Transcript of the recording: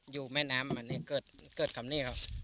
อยู่แม่น้ำอันนี้เกิดคำนี้ครับ